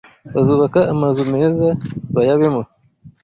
Bazubaka amazu meza bayabemo